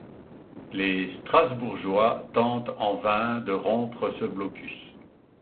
Les Strasbourgeois tentent en vain de rompre ce blocus.